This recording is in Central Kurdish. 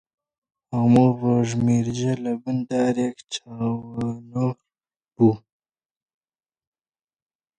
هەموو ڕۆژ میرجە لەبن دارێک چاوەنۆڕ بوو